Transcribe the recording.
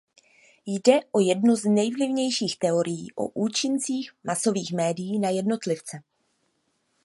Jde o jednu z nejvlivnějších teorií o účincích masových médií na jednotlivce.